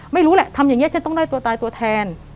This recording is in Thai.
ไม่รู้แหละทำอย่างนี้จะต้องได้ตัวตายตัวแทน